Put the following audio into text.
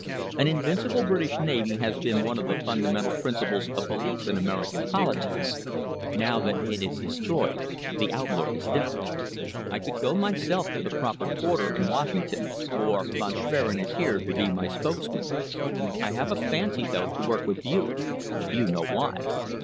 An invincible British Navy has been one of the fundamental principles of beliefs in American politics. Now that it is destroyed, the outlook is different. I could go myself to the proper quarter in Washington, or Von Schwerin is here to be my spokesman. I have a fancy, though, to work with you. You know why."